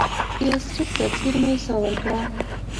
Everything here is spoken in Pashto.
یثرب ته څېرمه یې ساه ورکړه.